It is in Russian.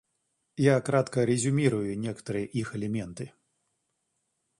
Я кратко резюмирую некоторые их элементы.